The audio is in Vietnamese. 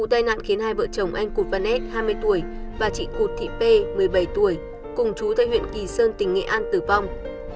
vụ tai nạn khiến hai vợ chồng anh cụt vănet hai mươi tuổi và chị cụt thị p một mươi bảy tuổi cùng chú tại huyện kỳ sơn tỉnh nghệ an tử vong